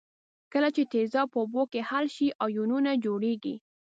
کله چې تیزاب په اوبو کې حل شي آیونونه جوړیږي.